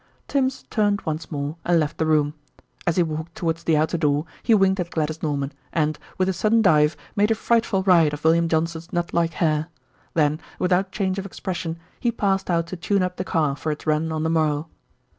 Tims turned once more and left the room. As he walked towards the outer door he winked at Gladys Norman and, with a sudden dive, made a frightful riot of William Johnson's knut like hair. Then, without change of expression, he passed out to tune up the car for its run on the morrow.